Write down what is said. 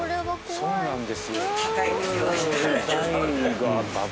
そうなんですよ。